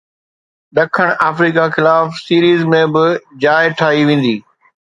ڏکڻ آفريڪا خلاف سيريز ۾ به جاءِ ٺاهي ويندي